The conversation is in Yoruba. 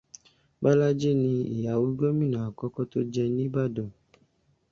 Bọ́lájí ni ìyàwó Gomìnà àkọ́kọ́ tó jẹ ní Ìbàdàn.